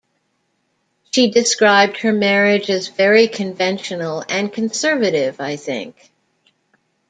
She described her marriage as very conventional and conservative, I think.